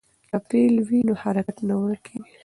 که فعل وي نو حرکت نه ورکېږي.